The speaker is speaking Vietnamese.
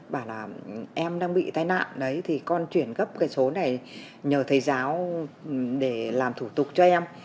bảo là em đang bị tai nạn đấy thì con chuyển gấp cái số này nhờ thầy giáo để làm thủ tục cho em